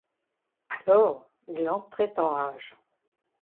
Alors, il entrait en rage.